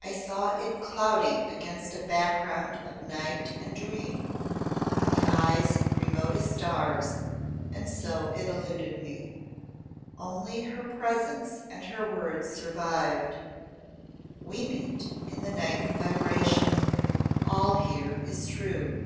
I saw it cloudy against a background of night and dream, the eyes remote as stars, and so it eluded me. Only her presence and her words survived; "We meet in the Ninth Vibration. All here is true."